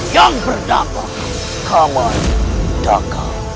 yang bernama kamal daka